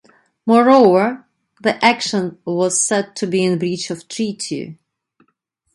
Moreover, the action was said to be in breach of treaty.